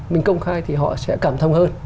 mình công khai thì họ sẽ cảm thông hơn